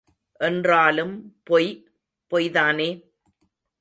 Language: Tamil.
என்றாலும் பொய் பொய்தானே?